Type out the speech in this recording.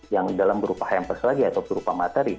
yang dalam berupa hampers lagi atau berupa materi